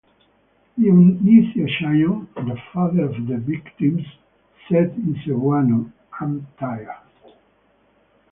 Dionisio Chiong, the father of the victims, said in Cebuano, I'm tired.